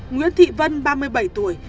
nguyễn thị vân ba mươi bảy tuổi